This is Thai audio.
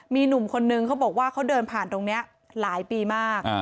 มีหนุ่มคนนึงเขาบอกว่าเขาเดินผ่านตรงนี้หลายปีมาก